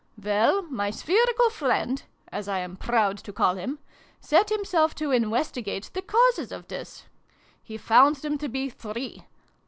" Well, my spherical friend (as I am proud to call him) set himself to investigate the causes of this. He found them to be three.